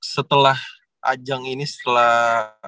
setelah ajang ini setelah